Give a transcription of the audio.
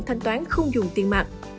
thanh toán không dùng tiền mặt